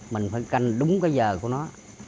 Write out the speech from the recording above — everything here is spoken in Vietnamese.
mình phải canh đúng cái giờ của nó